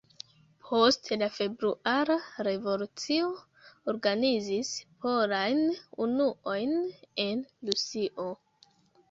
Post la februara revolucio organizis polajn unuojn en Rusio.